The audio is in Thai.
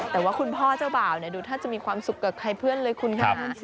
แต่ว่าคุณพ่อเจ้าบ่าวดูแทบจะมีความสุขกับใครเพื่อนเลยคุณค่ะ